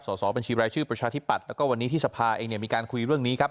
สอบบัญชีรายชื่อประชาธิปัตย์แล้วก็วันนี้ที่สภาเองเนี่ยมีการคุยเรื่องนี้ครับ